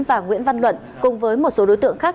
và nguyễn văn luận cùng với một số đối tượng khác